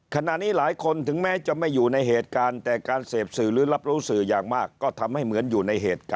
ขณะนี้หลายคนถึงแม้จะไม่อยู่ในเหตุการณ์